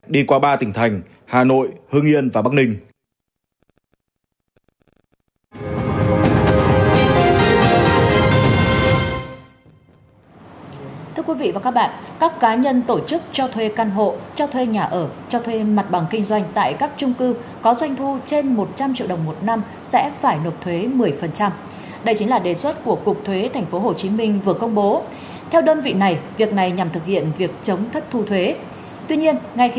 đi qua ba tỉnh thành hà nội hương yên và bắc ninh